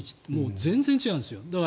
全然違うんです。